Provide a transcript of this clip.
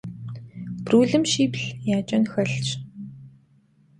Брулым шибл я кӀэн хэлъщ.